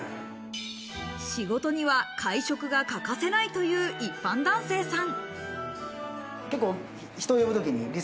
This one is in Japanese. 仕事には会食が欠かせないという一般男性さん。